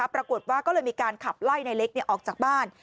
ปรากฏว่าก็เลยมีการขับไล่ในเล็กออกจากบ้าน